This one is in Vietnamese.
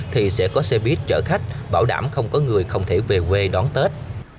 thì sẽ có xe buýt chở khách bảo đảm không có người không thể về quê đón tết